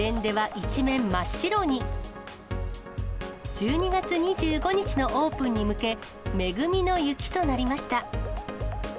１２月２５日のオープンに向け、恵みの雪となりました。